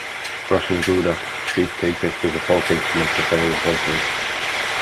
Russian gudok ceased to exist as a folk instrument for several centuries.